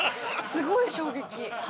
すごい衝撃。